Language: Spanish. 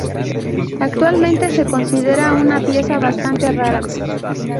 Actualmente se considera una pieza bastante rara.